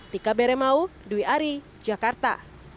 tika beremau dwi ari jakarta